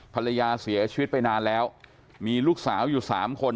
ภรรยาเสียชีวิตไปนานแล้วมีลูกสาวอยู่สามคน